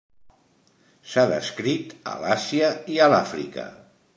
S'ha descrit a l'Àsia i a l'Àfrica.